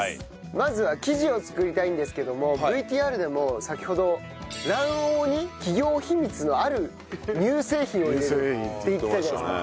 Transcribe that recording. まずは生地を作りたいんですけどもＶＴＲでも先ほど卵黄に企業秘密のある乳製品を入れるって言ってたじゃないですか。